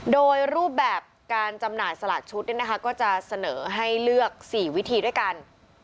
โดยรูปแบบการจำหน่ายสลากชุดก็จะเสนอให้เลือก๔วิธีด้วยกัน